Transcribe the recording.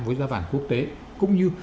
với giá vàng quốc tế cũng như